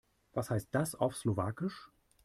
Was heißt das auf Slowakisch?